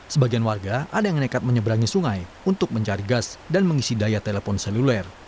sebagian warga ada yang nekat menyeberangi sungai untuk mencari gas dan mengisi daya telepon seluler